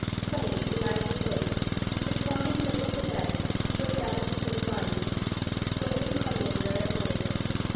Plain to the eyes of both, the form in the middle of the bed was that of a human body, slowly crumbling where it lay.